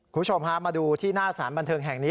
คุณผู้ชมฮะมาดูที่หน้าสารบันเทิงแห่งนี้